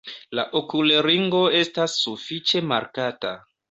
La okulringo estas sufiĉe markata.